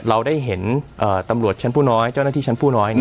เราได้เห็นตำรวจชั้นผู้น้อยเจ้าหน้าที่ชั้นผู้น้อย